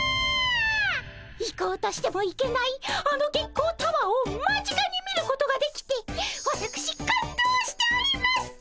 行こうとしても行けないあの月光タワーを間近に見ることができてわたくし感動しております！